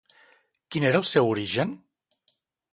Quin era el seu origen?